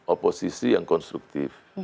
oposisi yang konstruktif